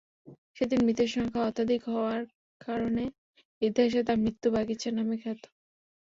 সেদিনের মৃতের সংখ্যা অত্যাধিক হওয়ার কারণে ইতিহাসে তা মৃত্যু-বাগিচা নামে খ্যাত।